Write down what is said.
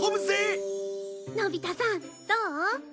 のび太さんどう？